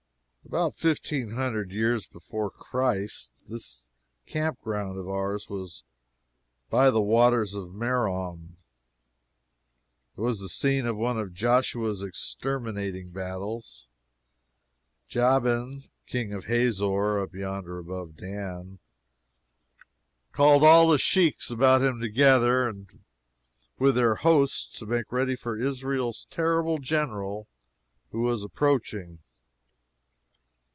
About fifteen hundred years before Christ, this camp ground of ours by the Waters of Merom was the scene of one of Joshua's exterminating battles. Jabin, King of Hazor, (up yonder above Dan,) called all the sheiks about him together, with their hosts, to make ready for Israel's terrible General who was approaching.